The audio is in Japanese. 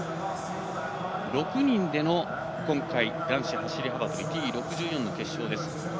６人での今回、男子走り幅跳びＴ６４の決勝です。